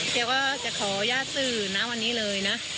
เจ๊ก็จะขอย่าสื่อนะวันนี้เลยนะ